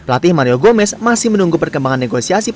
latih mario gomez masih menunggu perkembangan negosiasi pemain